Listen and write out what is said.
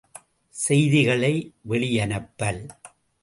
செய்திகளை வெளி அனுப்பல்.